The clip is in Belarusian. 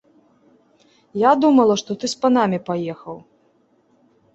Я думала, што ты з панамі паехаў.